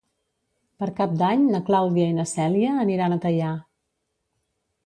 Per Cap d'Any na Clàudia i na Cèlia aniran a Teià.